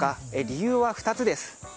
理由は２つです。